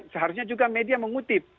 seharusnya juga media mengutip